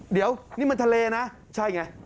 เดี๋ยวนี่มันทะเลนะใช่ไง